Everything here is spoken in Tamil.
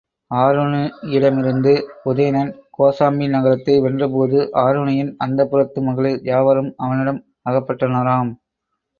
ஆருணியிடமிருந்து உதயணன் கோசாம்பி நகரத்தை வென்றபோது, ஆருணியின் அந்தப்புரத்து மகளிர் யாவரும் அவனிடம் அகப்பட்டனராம்.